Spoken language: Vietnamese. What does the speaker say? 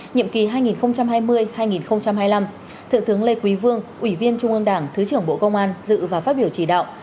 nhiệm kỳ hai nghìn hai mươi hai nghìn hai mươi năm thượng tướng lê quý vương ủy viên trung ương đảng thứ trưởng bộ công an dự và phát biểu chỉ đạo